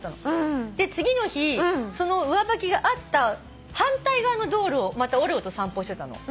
次の日その上履きがあった反対側の道路をまたオレオと散歩してたの。